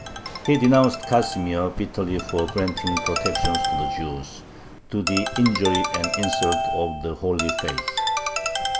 He denounced Casimir bitterly for granting protection to the Jews, "to the injury and insult of the holy faith."